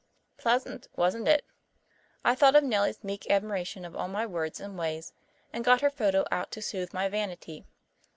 Pleasant, wasn't it? I thought of Nellie's meek admiration of all my words and ways, and got her photo out to soothe my vanity.